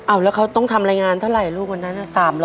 เอาแล้วเขาต้องทำรายงานเท่าไหร่ลูกวันนั้น